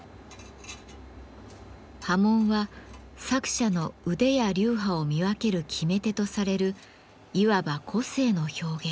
刃文は作者の腕や流派を見分ける決め手とされるいわば個性の表現。